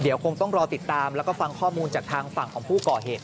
เดี๋ยวคงต้องรอติดตามแล้วก็ฟังข้อมูลจากทางฝั่งของผู้ก่อเหตุ